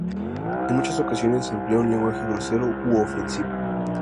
En muchas ocasiones se emplea un lenguaje grosero u ofensivo.